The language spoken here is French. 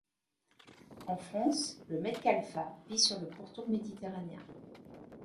En France, le metcalfa vit sur le pourtour méditerranéen.